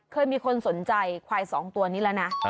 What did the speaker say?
เคยมีคนสนใจควาย๒ตัวนี้แล้วนะ